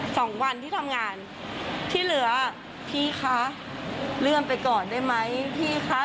สองวันที่ทำงานที่เหลือพี่คะเลื่อนไปก่อนได้ไหมพี่คะ